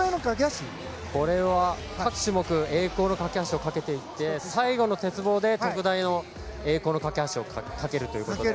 これは各種目栄光の架橋をかけていって最後の鉄棒で特大の栄光の架橋を架けるということで。